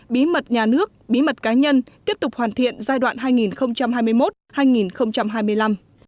bí mật nhà nước bí mật cá nhân tiếp tục hoàn thiện giai đoạn hai nghìn hai mươi một hai nghìn hai mươi năm